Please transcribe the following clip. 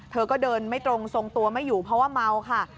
เธอก็เดินไม่ตรงทรงตัวไม่อยู่เพราะว่าเมาค่ะ